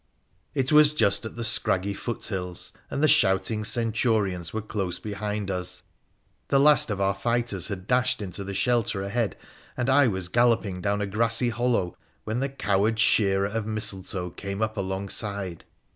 It was just at the scraggy foot hills, and the shouting Centurions were close behind us ; the last of our fighters had dashed into the shelter ahead, and I was galloping down a grassy hollow, when the coward shearer of mistletoe came up alongside.